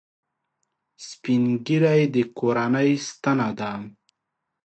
سپین ږیری د کورنۍ ستنه ده